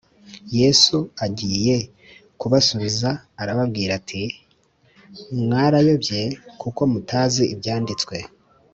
Yesu agiye kubasubiza arababwira ati mwarayobye kuko mutazi Ibyanditswe